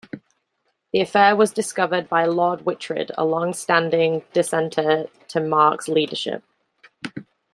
The affair is discovered by Lord Wictred, a longstanding dissenter to Marke's leadership.